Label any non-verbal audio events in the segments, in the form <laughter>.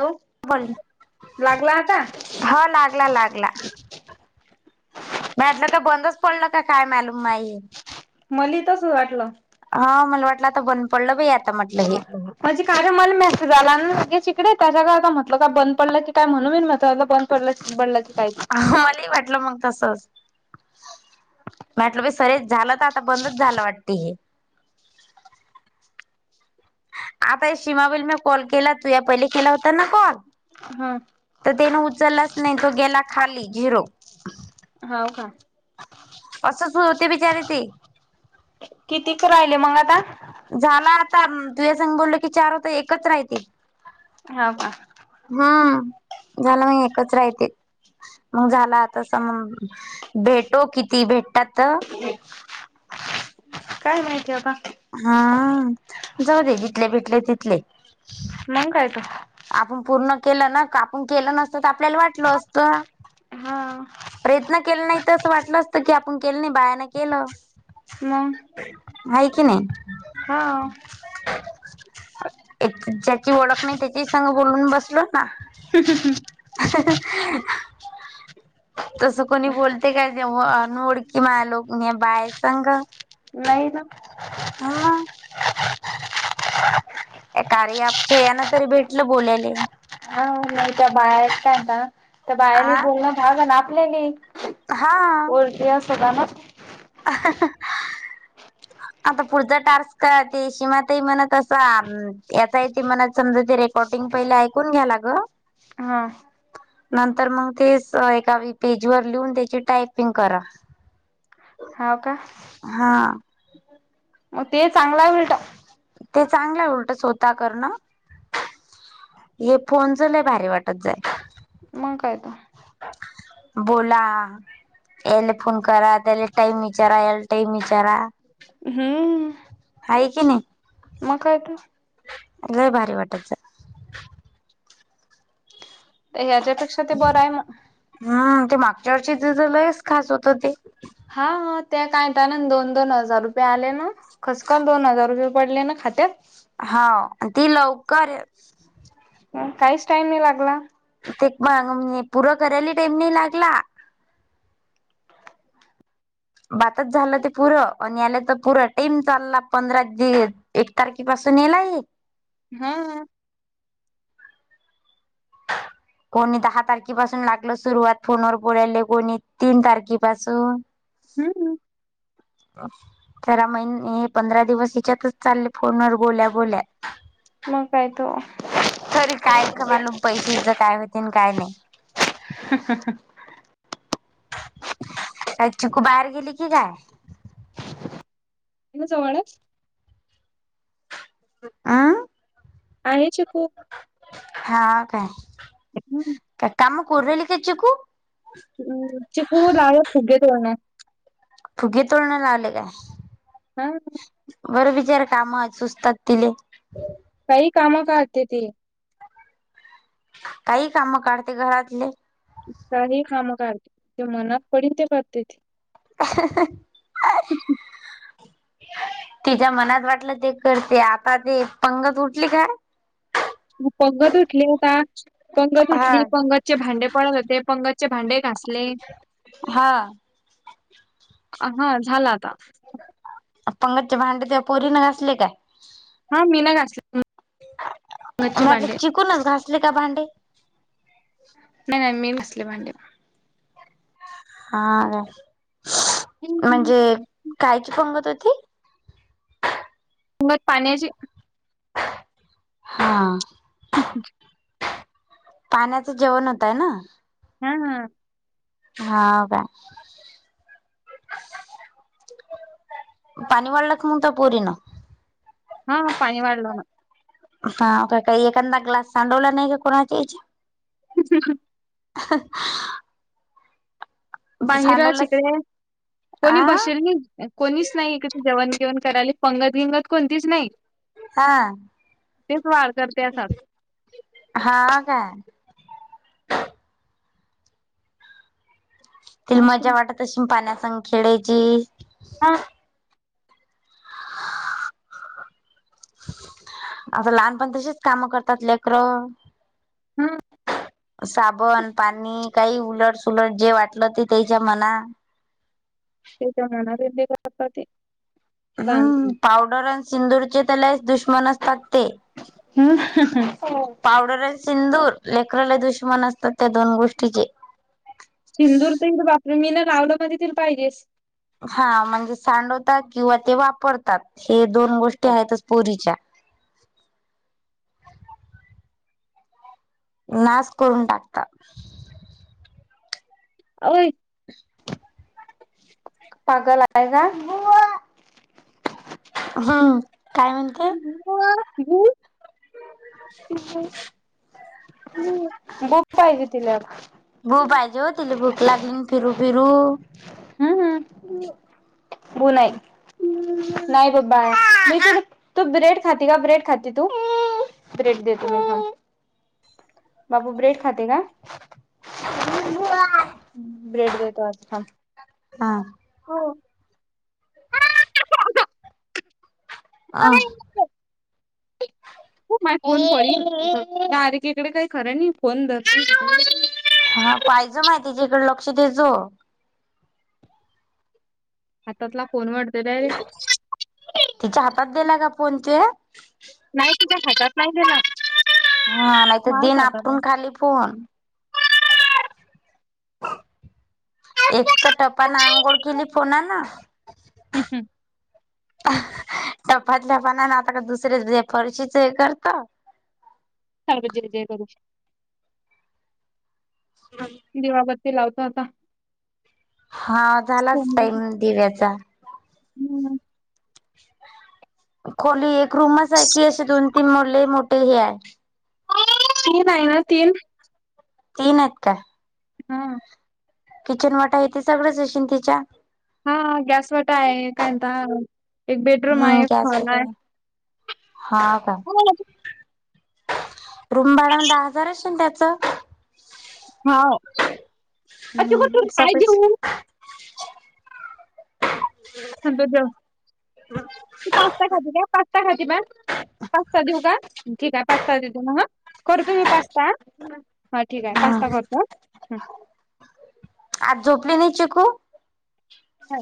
Hello बोल ना. लागला आता हा लागला लागला. वाटलं का बंदच पडलं का काय मालूम माई. मलेही तसच वाटल. हा मला वाटलं आता बंद पडलं बयी आता. म्हटलं हे <unintelligible> म्हणजे कार्य मला मेसेज आला ना लगेच इकडे. त्याच्या करता म्हटलं काय बंद पडलं की काय म्हणून मी म्हतल बंद पडल की काय ते मलाही वाटलं मग तसच. म्हटलं बा सरज झालं तर आता बंदच झालं वाटते हे. आता सीमा वल मी कॉल केला. तूया पहिले केला होता ना कॉल. हम्म तर त्याने उचललाच नाही तो गेला खाली झिरो हाव का असं तू होते बिचारीे ते कितीक राहिले मग आता झाला आता तुझ्या सग बोलल की चार होता एकच राहते हा का हम झालं मग एकच राहते मग झाला आता स म भेटो किती भेटतात काय माहिती आहे आबा हा जाऊ दे जिथले भेटले तिथले मंग काय तू आपण पूर्ण केलं ना आपण केलं नसतं तर आपल्याला वाटल असत हा प्रयत्न केले नाही तर असं वाटलं असतं की आपण केलं नाही बायान केलं मग आहे की हा नाही ज्याची ओळख नाही त्याची सांग बोलून बसलो ना <inaudible> तस कोणी बोलते काय न उडकी मालोक बायसंग नाही ना हा ए कारी आपच्या याना तरी भेटलं बोलाले हा नाही त्या बाहे काय ना त्या बायाली आ बोलणं भाग ना आपल्याली हा वरती सताना <inaudible> आता पुढचा टार्स्क का ते शिमातही मणत असं याचा ते मनात समजा ते रे कॉटिंग पहिले ऐकून घ्याय ग हा नंतर मग ते एका पेज वर लिहून त्याची टायपिंग करा हा का हा मग ते चांगलं मिलता ते चांगल्या उलट स्वत करण हे फोन चलाय बाहेर वाटत जाय मग कायत बोला याल फोन करत मल टईम विचार एल् टईम विचार हम् आहे की नाही लय भारी वाटतच ह्याच्यापेक्षा ते बरं आहे हम् ते मागच्यार्चेत लयच खास होतं ते हा त्या कायत ना दोन दोन हजार रुपये आले ना खसखल दोन हजार रुपये पडले ना खात्यात हा ती लवकर काहीच टाईम नाही लागला ते पूरा करायला टाईम नाही लागला बातच झालं ते पुरं आणि आलं तर पुर टेम चालला पंधरा दिवस एक तारखे पासून येलाय हा हा कोणी दहा तारखेपासून लागलं सुरुवात फोनवर पुरयले कोणी तीन तारखेपासून हम् हम तेरा महिने हे पंधरा दिवस हिच्यातच चालले फोन व बोल्या बोल्या मग काय तो तरी काय कमाल पैशचं काय होते काय नाही <inaudible> का चिकू बाहेर गेली की काय? इतन जवळ हाय आं आहेचे खूप हां काय का काम करुन राहीली काय चिकू हुं चिकू लागले फुगे तेण फुगे तोडणं लागले काय. हां. बरं बिचार काम सुचतात तिले. काही कामं करते ती. काही काम काढते घरातले काही कामं काढते जे मनात पडीन ते करते. ते <inaudible> तिच्या मनात वाटलं तेच करते आता ते पंगत उठली काय मग पंगत उठली होता पंगत हा उठली पंगतचे भांडे पडत होते, पंगत चे भांडे घासले. हं. अ हां, झाला आता. पंगतचे भांडे त्या पोरीनं घासले काय? हां मी न <unintelligible> <unintelligible> चिकूनच घासले का भांडे? नाही नाही मी <unintelligible> भांडी. हां, म्हणजे मुंगट कायची पंगत होती? <unintelligible> पाण्याची. हां. पाण्याचं जेवण होतंय ना? हां हां. हाव काय? पाणी वाढला <unintelligible> हां पानी वाडला ना. हां काय काही एखादा ग्लास सांडवला नाही का कोणाची <unintelligible> बाहिरा सांडवलाच चिकडे आ कोणी बशिली नाही. कोणीच नाही <unintelligible> जेवण जेवण करायले पंगत गिंगत कोणतीच नाही. हां. तेच <unintelligible> हां काय? तिला मजा वाटत असीन पाण्यासंग खेळायची. हा <inaudible> आता लहानपण तशीच कामं करतात लेकरं. हा साबण, पाणी काही उलट उलट जे वाटलं ते त्याच्या मना ते तरना दि <unintelligible> हम्म, पावडर आणि सिंदूरचे लईच दुश्मन असतात ते. पावडर सिंदूर, लेकरराला दुश्मन असतात त्या दोन गोष्टीचे. सिंदूर तेन बाकी मी ना लावलं मध्ये तर पाहिजेस हा म्हणजे सांडवतात किंवा ते वापरतात हे दोन गोष्टी आहेतच पोरीच्या नाश करून टाकता ओय पागलाय काय जा हं काय म्हणते <unintelligible> बुक पाहिजे तिला भू पाहिजे हो तिल भूक लागली न फिरू फिरू हं बोला य नाय गप बाळा मी तू ब्रेड खाती का ब्रेड खाती तू ब्रेड देतो. बाबू ब्रेड खाते का ब्रेड देतो आता थांब. हा- हो. अ हो माझ फोन फोडील डायरेक्ट इकडं काय खरं नाही फोन धरती हा पाहिजे माय तीच्याकडे लक्ष देजो. हातातला फोन वाढतलंय. तिच्या हातात दिला का फोन तू. नाही तिच्या हातात नाही दिला. हा नाय तर देईन आपटून खाली फोन एक त टपाने आंघोळ केली फोनान <unintelligible> टपातल्या फोनान आता का दुसरे फरशीच हे करत सारख जय जय करुन <unintelligible> दिवा बत्ती लावतो आता हा झालाच टाईम दिव्याचा हम् खोली एक रूमच आहे की असे दोन तीन मोले लय मोठे हे आहे. तीन आहे ना तीन तीन आहेत काय? हा किचन वटा आहे ते सगळचं येशीन तिच्या हा गॅसवटा आहे कायता एक बेडरूम हम्म आहे एक गॅस हॉल आहे. वगैरे हा का <unintelligible> रूम भाडा दहा हजार असेन त्याच हाव. अ, तू हम्म कुठून स काय देऊ? <unintelligible> तू पास्ता खाते का पस् काय खाती मग पास्ता देऊ का ठीक आहे पास्ता देते मं ह करतो मी पास्ता हा ठीक आहे पास्ता हम्म करतो हं आज झोपली नाही चिकू नाय.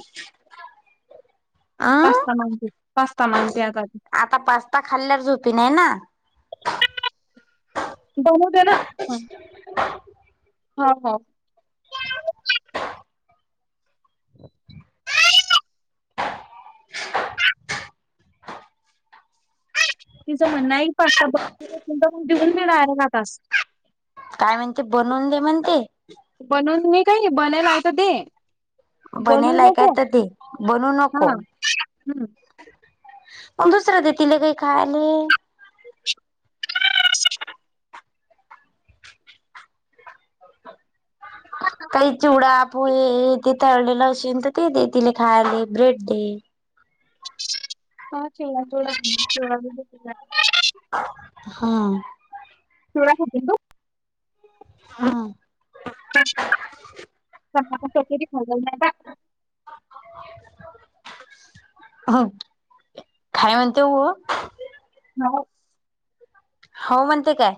अं पास्ता मांगते पास्ता मांगते आता ती आता पास्ता खाल्ल्यावर झोपीन हाय ना बनवते ना हं हो हो <unintelligible> <inaudible> तिचं म्हणण हाय पास्ता बणून नाय अर्धा तास काय म्हणते बनवून दे म्हणते बनवून मी काय बनायला आहे ते दे बनवून बनेलय काय नको तर ते बनू हा नको. हम्म. दुसर दे तिला काही खायले. <unintelligible> काही चिवडा, पोहे ते तळलेलं असशन तर ते दे तिने खायला ब्रेड दे. ह <unintelligible> हा. चिवडा खातीस देऊ हा <unintelligible> खाय म्हणते हो. हो म्हणते काय?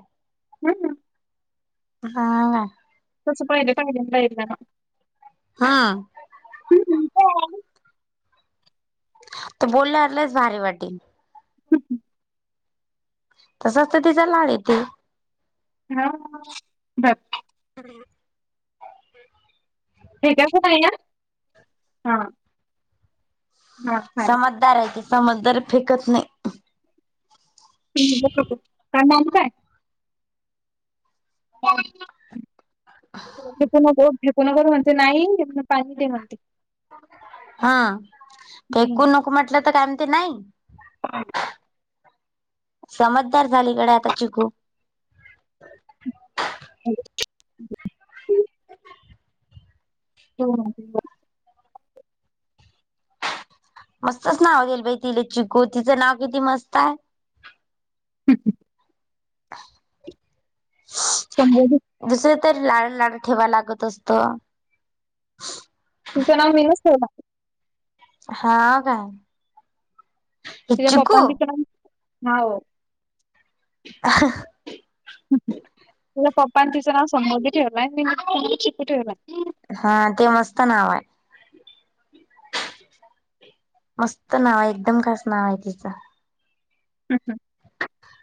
हम्म्म हा हा. तसं पाहिले पाहिले पाहिलं ना. हा. तर बोलल्या आल्यास भारी वाटेल. तसंच तर तिचं लाळ येते. <unintelligible> ह भेटच नाही या हा हा चा दाराचे समजदार फेकत नाही. का नाम काय? ठिकणा कर म्हणते नाही पाणी ते म्हणते. हा हम्म. फेकू नको म्हटलं तर काय म्ह ते नाही. <unintelligible> समजदार झालीकडे आता चिकू. <unintelligible> <unintelligible> मस्तच नाव देईल भाई तिले चिकू तिचं नाव किती मस्त आहे. <unintelligible> <inaudible> चांगलं आहे घे. दुसर तररी लाळ लाड ठेवा लागत असत. तचं नाव मीनच ठेवले हा काय? हे तिच्या पप्पा चिकू नि आहा तिच्या पप्पा तिचं नाव समृद्धी ठेवलाय मी चिकू ठेवलाय. हा ते मस्त नाव आहे. मस्त नाव आहे एकदम खास नाव आहे तिचं. हम्म हम्म.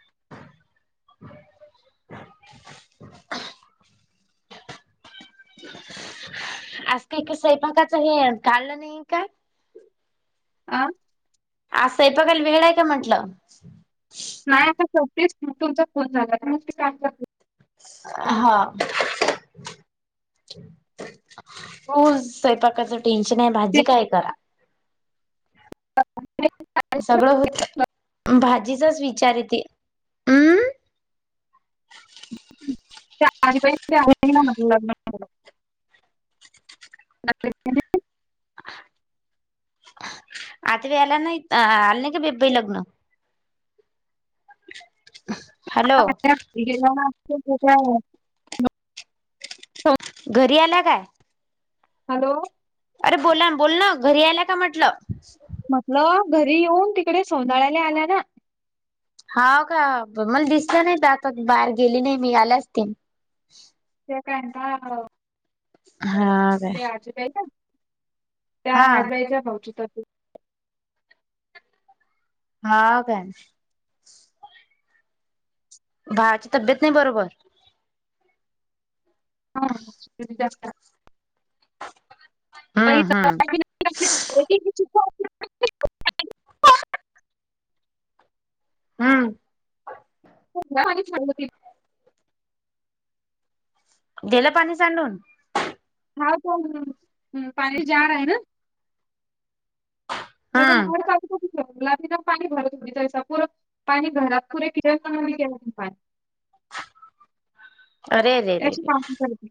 <inaudible> आज क सपाकाच हे काल नाही का आ आज साईपाकााल वेळ आहे का म्हटलं. नाही आता शेटीच तुमचा फोन झाला तर म काय कर हा. हो स्वयंपाकाच टेन्शन आहे भाजी ते- काय करा ह सगळं होत भाजीचाच विचार येते हम्म <inaudible> आता वयला नाही आल नाही का बीबबाई लग्न हॅलो गे घरी आला काय हॅलो अरे बोला ना बोल ना घरी आला का म्हटलं म्हटलं घरी येऊन तिकडे सोदाळ्याला आल्या ना हा का मला दिसलं नाही आता बाहेर गेली नाही मी आल्याच त ते काय का हो हा काय ते आजीबाय का त्या हा आजयच्या भावचित हा बण भावाची तब्येत नाही बरोबर हा जास्त हम्म हम्म शिक हम्म हो हो गलं पाणी सांडून हा प पाी जाार आहे ना त्याचाड हम्म का क पाणी भरत हो त्याचा पर पाणी घरात पुरे क्लअर पण के पाणी <inaudible> अरे रे रे रे त्याची माग करते